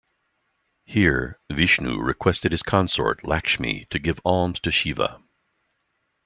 Here, Vishnu requested his consort Lakshmi to give alms to Shiva.